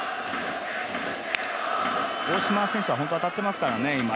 大島選手は本当当たってますからね。